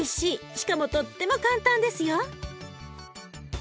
しかもとっても簡単ですよ。